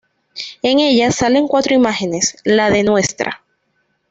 En ella salen cuatro imágenes: la de Ntra.